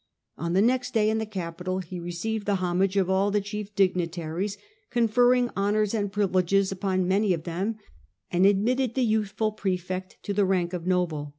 On the next day, in the Capitol, he received the homage of all the chief dignitaries, conferred honours and privileges upon many of them, and admitted the youthful prefect to the rank of noble.